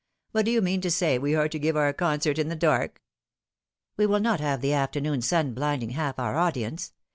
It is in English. " But do you mean to say we are to give our concert in the dark ?"" We will not have the afternoon sun blinding half our audience.